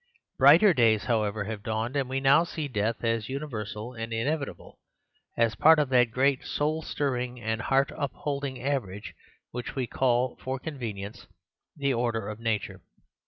Brighter days, however, have dawned, and we now see death as universal and inevitable, as part of that great soul stirring and heart upholding average which we call for convenience the order of nature.